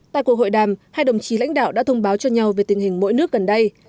tại cuộc hội đàm hai đồng chí lãnh đạo đã thông báo cho nhau về tình hình mỗi nước gần đây